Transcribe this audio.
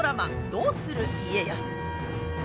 「どうする家康」。